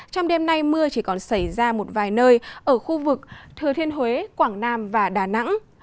trong đêm nay mưa chỉ còn xảy ra một vài nơi ở khu vực thừa thiên huế quảng nam và đà nẵng